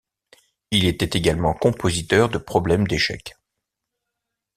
Il était également compositeur de problèmes d'échecs.